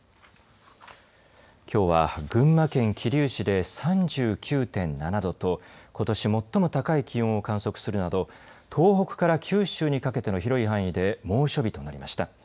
きょうは群馬県桐生市で３９．７度とことし最も高い気温を観測するなど東北から九州にかけての広い範囲で猛暑日となりました。